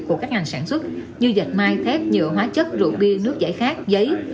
của các ngành sản xuất như dạch mai thép nhựa hóa chất rượu bia nước giải khát giấy